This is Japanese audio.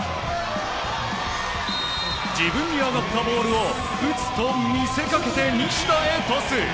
自分に上がったボールを打つと見せかけて西田へトス。